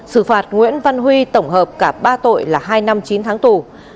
xử phạt nguyễn văn huy tổng hợp cả ba tội là hai năm chín tháng tù